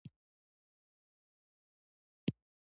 د موټرو بیمه د حادثې په وخت مرسته کوي.